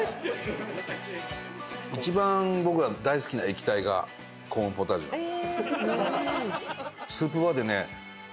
一番僕が大好きな液体がコーンポタージュなんです。